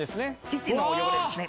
キッチンの汚れですね。